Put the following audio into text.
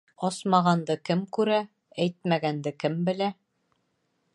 Асмағанды кем күрә, әйтмәгәнде кем белә?